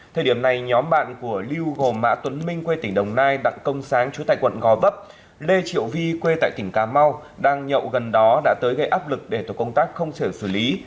thời điểm này nhóm bạn của lưu gồm mã tuấn minh quê tỉnh đồng nai đặng công sáng chú tại quận gò vấp lê triệu vi quê tại tỉnh cà mau đang nhậu gần đó đã tới gây áp lực để tổ công tác không trở xử lý